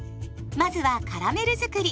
まずはカラメルづくり。